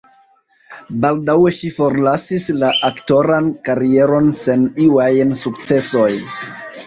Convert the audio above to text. Baldaŭe ŝi forlasis la aktoran karieron sen iu ajn sukcesoj.